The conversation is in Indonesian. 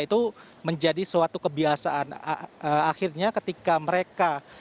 itu menjadi suatu kebiasaan akhirnya ketika mereka